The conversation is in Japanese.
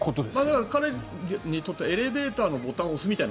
だから、彼にとってはエレベータのボタンを押すみたいな。